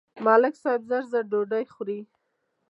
ملک صاحب زر زر ډوډۍ خوري.